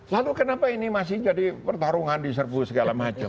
lalu kenapa ini masih jadi pertarungan di serbu segala macam